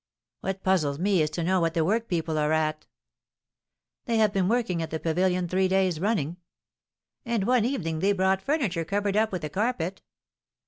"What puzzles me is to know what the workpeople are at." "They have been working at the pavilion three days running." "And one evening they brought furniture covered up with a carpet."